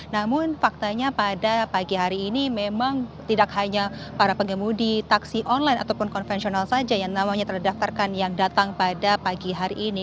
namun faktanya pada pagi hari ini memang tidak hanya para pengemudi taksi online ataupun konvensional saja yang namanya telah didaftarkan yang datang pada pagi hari ini